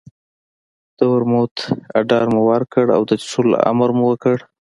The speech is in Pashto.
د ورموت اډر مو ورکړ او د څښلو امر مو وکړ.